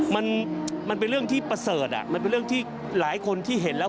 มันมันเป็นเรื่องที่ประเสริฐอ่ะมันเป็นเรื่องที่หลายคนที่เห็นแล้ว